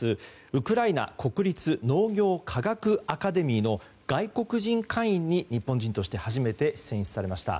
ウクライナ国立農業科学アカデミーの外国人会員に日本人として初めて選出されました。